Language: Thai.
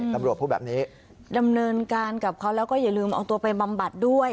ตำรวจพูดแบบนี้ดำเนินการกับเขาแล้วก็อย่าลืมเอาตัวไปบำบัดด้วย